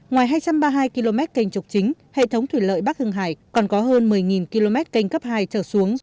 ngoài hai trăm ba mươi hai km kênh trục chính hệ thống thủy lợi bắc hưng hải còn có hơn một mươi km kênh cấp hai trở xuống